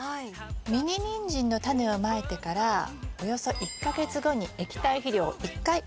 ミニニンジンのタネをまいてからおよそ１か月後に液体肥料を１回与えて下さい。